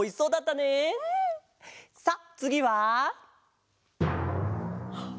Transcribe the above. さあつぎは？はっ！